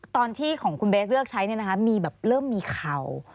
ตอนที่ของคุณเบสเลือกใช้มีแบบเริ่มมีเข่า